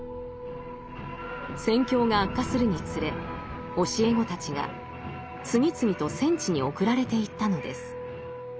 戦況が悪化するにつれ教え子たちが次々と戦地に送られていったのです。